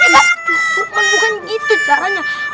bukan gitu caranya